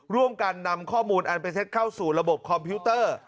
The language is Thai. ร่วมกันนำข้อมูลอันเป็นเท็จเข้าสู่ระบบคอมพิวเตอร์